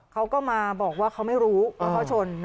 เขาก็มาบอกว่าเขาไม่รู้ว่าเขาชน